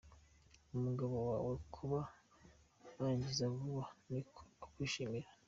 Umugabo wawe kuba arangiza vuba ni uko akwishimira.